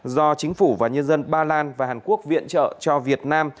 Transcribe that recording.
do chính phủ và nhân dân ba lan và hàn quốc viện trợ cho việt nam